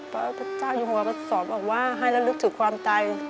ประพฤตเจ้าอยู่หัวเขาสอนมาว่าให้เรารึกถึงความใจ